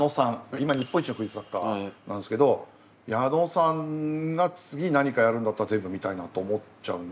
今日本一のクイズ作家なんですけど矢野さんが次何かやるんだったら全部見たいなと思っちゃうんで。